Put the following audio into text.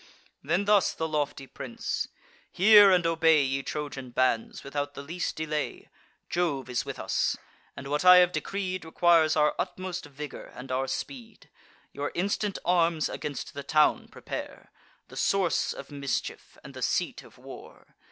Then thus the lofty prince: "Hear and obey, Ye Trojan bands, without the least delay Jove is with us; and what I have decreed Requires our utmost vigour, and our speed. Your instant arms against the town prepare, The source of mischief, and the seat of war.